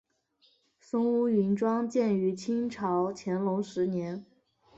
松坞云庄建于清朝乾隆十年。